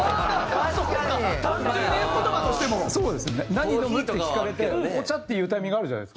「何飲む？」って聞かれて「お茶」って言うタイミングあるじゃないですか。